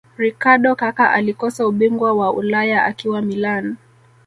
ricardo kaka alikosa ubingwa wa ulaya akiwa Milan